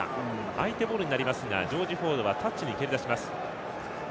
相手ボールになりますがジョージ・フォードはタッチに蹴りだします。